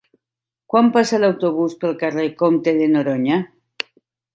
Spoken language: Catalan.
Quan passa l'autobús pel carrer Comte de Noroña?